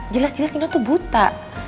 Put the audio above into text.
jelas jelas nino tuh buta